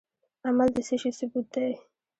عمل د څه شي ثبوت دی؟